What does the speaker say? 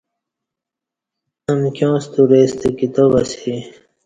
امکیاں ستورئی ستہ کتاب اسی